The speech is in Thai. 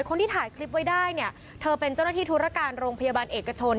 คนที่ถ่ายคลิปไว้ได้เนี่ยเธอเป็นเจ้าหน้าที่ธุรการโรงพยาบาลเอกชน